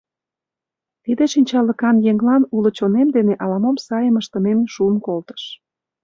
Тиде шинчалыкан еҥлан уло чонем дене ала-мом сайым ыштымем шуын колтыш.